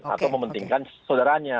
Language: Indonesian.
atau mementingkan saudaranya